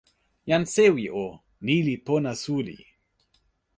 jan sewi o, ni li pona suli.